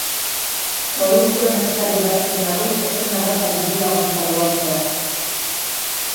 Produktuen eskari baxuen erruz, ez zen erraza diru-laguntzak lortzea.